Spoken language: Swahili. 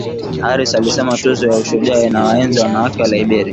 Harris alisema Tuzo ya Ushujaa inawaenzi wanawake wa Liberia